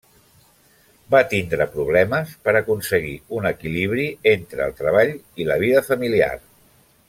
Va tindre problemes per aconseguir un equilibri entre el treball i la vida familiar.